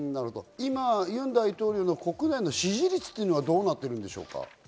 今、ユン大統領の国内の支持率はどうなっているんですか？